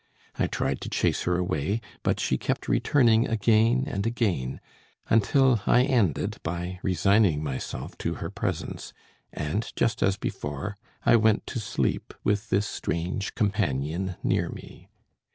I tried to chase her away, but she kept returning again and again, until I ended by resigning myself to her presence; and, just as before, I went to sleep with this strange companion near me.